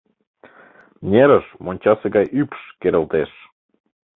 Нерыш мончасе гай ӱпш керылтеш.